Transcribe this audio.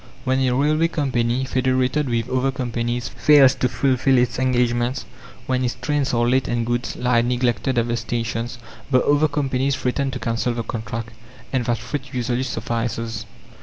When a railway company, federated with other companies, fails to fulfil its engagements, when its trains are late and goods lie neglected at the stations, the other companies threaten to cancel the contract, and that threat usually suffices.